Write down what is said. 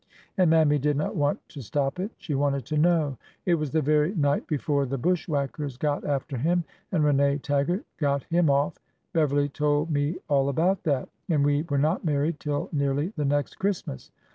And Mammy did not want to stop it. She wanted to know. '' It was the very night before the bushwhackers got after him, and Rene Taggart got him off, — Beverly told me all about that, — and we were not married till nearly the next Christmas.